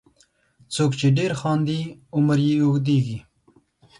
• څوک چې ډېر خاندي، عمر یې اوږدیږي.